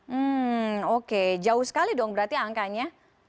hmm oke jauh sekali dong berarti angkanya